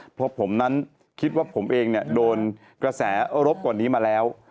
เพราะผมนั้นคิดว่าผมเองโดนกระแสรบกว่านี้มาแล้ว